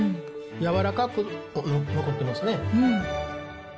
やわらかく残ってますね。